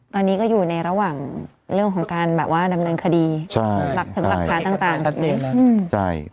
ตอนนี้ก็อยู่ในระหว่างเรื่องของการแบบว่าดำเนินคดีหลักฐานต่างแบบนี้